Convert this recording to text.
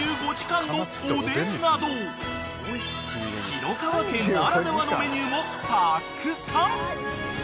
［廣川家ならではのメニューもたくさん］